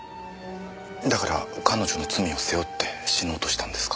だから彼女の罪を背負って死のうとしたんですか？